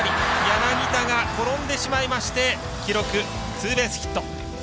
柳田が転んでしまいまして記録、ツーベースヒット。